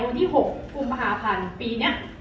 วันที่๖กุมภาพันธ์ปีนี้